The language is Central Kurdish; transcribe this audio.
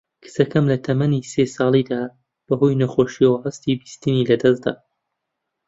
کچەکەم لە تەمەنی سێ ساڵیدا بە هۆی نەخۆشییەوە هەستی بیستنی لەدەست دا